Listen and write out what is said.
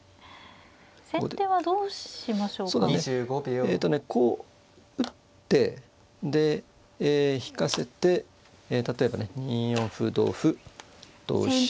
えとねこう打ってで引かせて例えばね２四歩同歩同飛車。